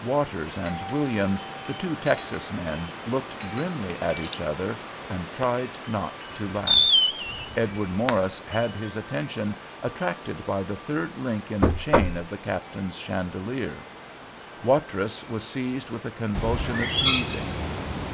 Waters and Williams, the two Texas men, looked grimly at each other and tried not to laugh. Edward Morris had his attention attracted by the third link in the chain of the captain's chandelier. Watrous was seized with a convulsion of sneezing.